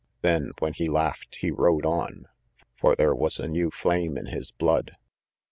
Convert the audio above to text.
Then, when he laughed, he rode on; for there was a new flame in his blood.